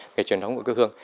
nghề truyền thống của quê hương